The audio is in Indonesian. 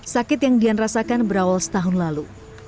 sakit yang dian rasakan berawal setahun lalu